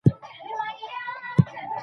هغې ولیدل چې رییس څنګه پانګونه کوي.